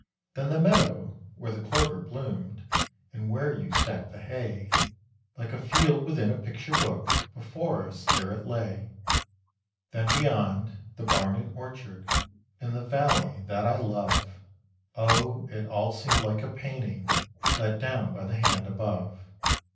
Then the meadow, where the clover bloomed, and where you stacked the hay, Like a field within a picture book, before us there it lay; Then beyond, the barn and orchard, and the valley that I love Oh! it all seemed like a painting let down by the Hand above.